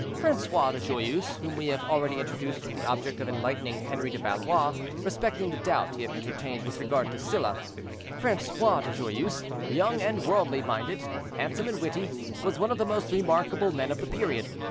Francois de Joyeuse, whom we have already introduced with the object of enlightening Henri de Valois respecting the doubt he had entertained with regard to Sylla—Francois de Joyeuse, young and worldly minded, handsome and witty, was one of the most remarkable men of the period.